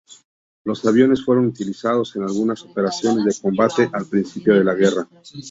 Los aviones fueron utilizados en algunas operaciones de combate al principio de la guerra.